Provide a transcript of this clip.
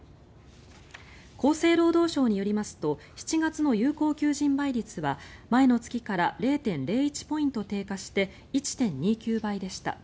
厚生労働省によりますと７月の有効求人倍率は前の月から０．０１ポイント低下して１．２９倍でした。